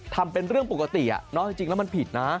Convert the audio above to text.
ทำเป็นเรื่องปกติจริงแล้วมันผิดนะ